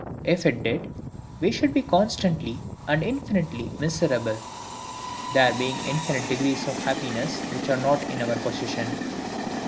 If it did, we should be constantly and infinitely miserable; there being infinite degrees of happiness which are not in our possession.